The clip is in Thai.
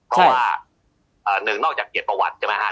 เพราะว่าหนึ่งนอกจากแก่ประวัติจริงมะครับ